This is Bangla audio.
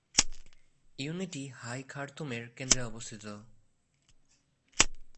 ইউনিটি হাই খার্তুমের কেন্দ্রে অবস্থিত।